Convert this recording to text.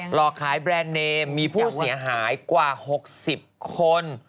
หลอกขายแบรนด์เนมมีผู้เสียหายกว่า๖๐คน